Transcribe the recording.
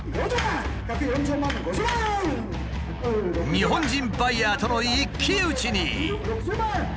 日本人バイヤーとの一騎打ちに。